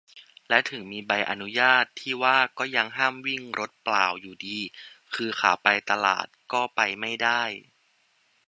และถึงมีใบอนุญาตที่ว่าก็ยังห้ามวิ่งรถเปล่าอยู่ดี คือขาไปตลาดก็ไปไม่ได้